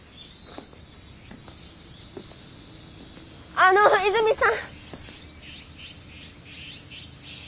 あの泉さん！